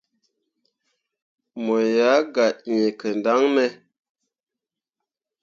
Mo yah gah ẽe kǝndaŋne ?